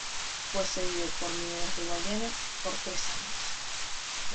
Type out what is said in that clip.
Fue cedido por Mineros de Guayana por tres años.